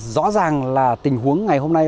rõ ràng là tình huống ngày hôm nay